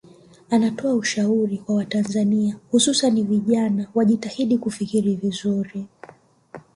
Anatoa ushauri kwa Watanzania hususani vijana wajitahidi kufikiri vizuri